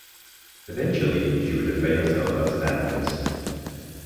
Eventually she would define herself as an anarchist.